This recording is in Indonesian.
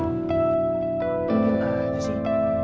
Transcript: kedinginan aja sih